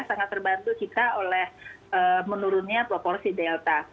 sangat terbantu kita oleh menurunnya proporsi delta